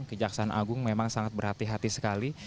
kejaksaan agung memang sangat berhati hati sekali